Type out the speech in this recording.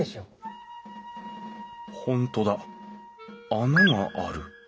本当だ穴がある。